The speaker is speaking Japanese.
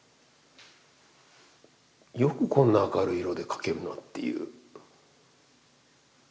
よくこんな明るい色で描けるなっていう。